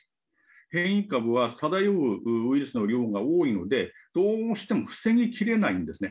変異株は漂うウイルスの量が多いので、どうしても防ぎきれないんですね。